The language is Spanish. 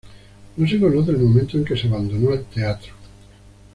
No se conoce el momento en que se abandonó el teatro.